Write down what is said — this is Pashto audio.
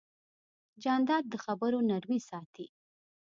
جانداد د خبرو نرمي ساتي.